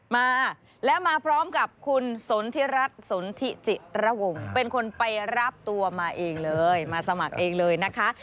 มาแล้วมาพร้อมกับคุณสนทิรัฐสนทิจิระวงเป็นคนไปรับตัวมาเองเลยมาสมัครเองเลยนะคะ